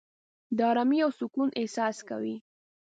د آرامۍ او سکون احساس کوې.